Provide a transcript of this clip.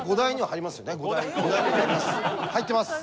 入ってます。